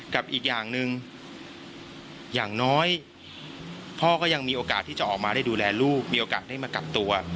กับอีกอย่างหนึ่งอย่างน้อยพ่อก็ยังมีโอกาสที่จะออกมาได้ดูแลลูกมีโอกาสได้มากักตัว